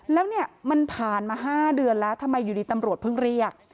แล้วเนี่ยมันผ่านมา๕เดือนแล้วทำไมอยู่ดีตำรวจเพิ่งเรียก